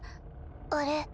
あれ。